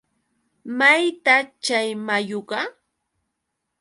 ¿mayta chay mayuqa?